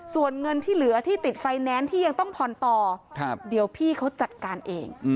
ส่วนเงินที่เหลือที่ติดไฟแนนซ์ที่ยังต้องผ่อนต่อเดี๋ยวพี่เขาจัดการเอง